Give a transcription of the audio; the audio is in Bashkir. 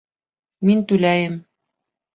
Мин түләйем.